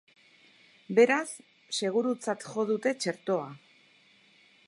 Beraz, segurutzat jo dute txertoa.